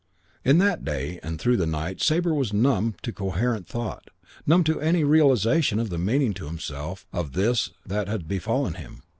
In that day and through the night Sabre was numb to coherent thought, numb to any realisation of the meaning to himself of this that had befallen him.